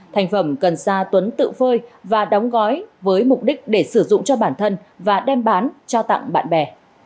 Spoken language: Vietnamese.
thành phẩm cần ra tuấn tự phơi và đóng gói với mục đích để sử dụng cho bản thân và đem bán cho tặng bạn bè